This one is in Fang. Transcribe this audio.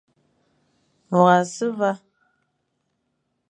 Môr a si va,